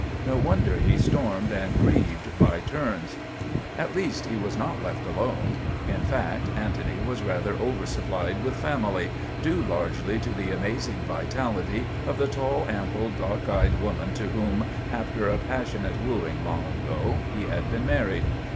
No wonder he stormed and grieved by turns. At least he was not left alone. In fact, Antony was rather oversupplied with family, due largely to the amazing vitality of the tall, ample, dark eyed woman to whom, after a passionate wooing long ago, he had been married.